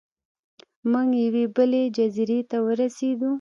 موږ یوې بلې جزیرې ته ورسیدو.